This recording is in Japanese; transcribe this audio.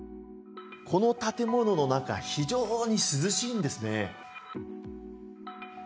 この建物の中非常に涼しいんですね。